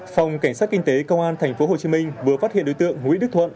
phòng cảnh sát kinh tế công an tp hcm vừa phát hiện đối tượng nguyễn đức thuận